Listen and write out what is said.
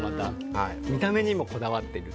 見た目にもこだわっている。